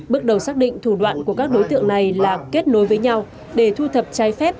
bước đầu xác định thủ đoạn của các đối tượng này là kết nối với nhau để thu thập trái phép